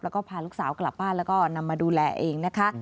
แล้วก็พาลูกสาวกลับบ้านแล้วก็นำมาดูแลเองนะคะ